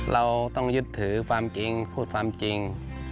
เราต้องยึดถือความจริงพูดความจริง